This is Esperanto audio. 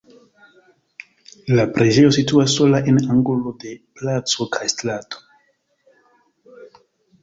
La preĝejo situas sola en angulo de placo kaj strato.